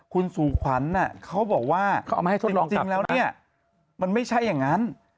คุณสู่ขวัญเขาบอกว่าจริงแล้วเนี่ยมันไม่ใช่อย่างนั้น